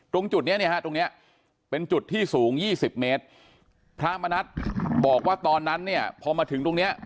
ตรงจุดนี้เป็นจุดที่สูง๒๐เมตรพระมณัฐบอกว่าตอนนั้นพอมาถึงตรงนี้